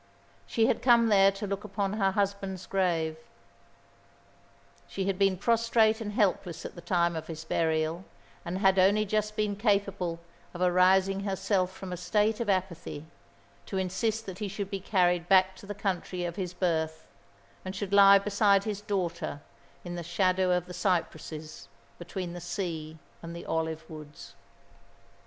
She had come there to look upon her husband's grave. She had been prostrate and helpless at the time of his burial, and had only just been capable of arousing herself from a state of apathy, to insist that he should be carried back to the country of his birth, and should lie beside his daughter in the shadow of the cypresses, between the sea and the olive woods.